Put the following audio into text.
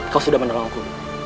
kau sudah menolongku